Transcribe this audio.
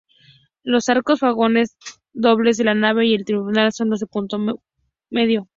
Los arcos fajones dobles de la nave y el triunfal, son de medio punto.